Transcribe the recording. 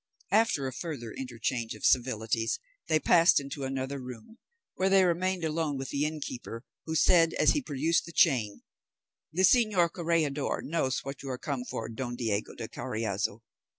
After a further interchange of civilities they passed into another room, where they remained alone with the innkeeper, who said as he produced the chain, "The señor corregidor knows what you are come for, Don Diego de Carriazo.